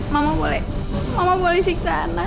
mama boleh mama boleh siksa ana